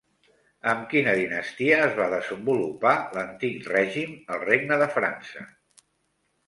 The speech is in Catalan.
Amb quina dinastia es va desenvolupar l'antic règim al Regne de França?